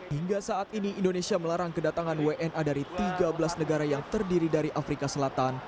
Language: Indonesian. hingga saat ini indonesia melarang kedatangan wna dari tiga belas negara yang terdiri dari afrika selatan